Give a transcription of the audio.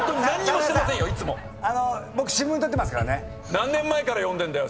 何年前から読んでんだよ？